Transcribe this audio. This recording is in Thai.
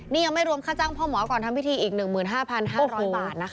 นี่ยังไม่รวมค่าจ้างพ่อหมอก่อนทำพิธีอีก๑๕๕๐๐บาทนะคะ